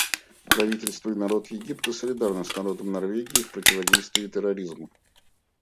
Правительство и народ Египта солидарны с народом Норвегии в противодействии терроризму.